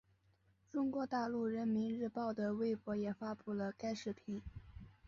中国大陆人民日报的微博也发布了该视频。